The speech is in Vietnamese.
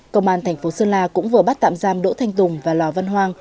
công an thành phố sơn la cũng vừa bắt tạm giam đỗ thanh tùng và lò văn hoang